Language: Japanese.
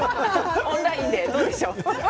オンラインでどうでしょう。